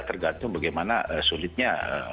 tergantung bagaimana sulitnya